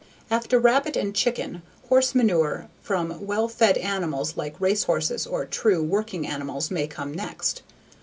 After rabbit and chicken, horse manure from well fed animals like race horses or true, working animals may come next.